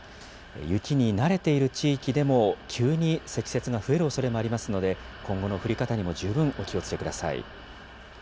雪に慣れている地域でも、急に積雪が増えるおそれもありますので、今後の降り方にも十分お気をつけください。